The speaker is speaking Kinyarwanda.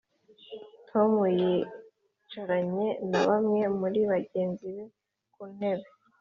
tom yicaranye na bamwe muri bagenzi be ku ntebe.